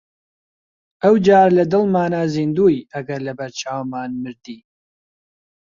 ئەو جار لە دڵمانا زیندووی ئەگەر لەبەر چاومان مردی!